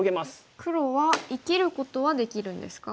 黒は生きることはできるんですか？